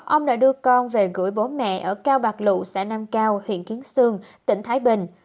ông đã đưa con về gửi bố mẹ ở cao bạc lụ xã nam cao huyện kiến sương tỉnh thái bình